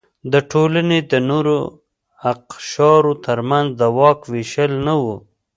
د ټولنې د نورو اقشارو ترمنځ د واک وېشل نه و.